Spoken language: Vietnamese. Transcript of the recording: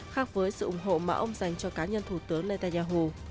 khác với sự ủng hộ mà ông dành cho cá nhân thủ tướng netanyahu